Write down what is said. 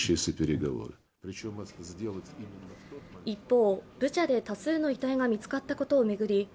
一方、ブチャで多数の遺体が見つかったことを巡り